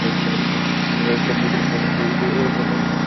Train দুটির এই স্টেশনে অতিক্রম করার কথা ছিল।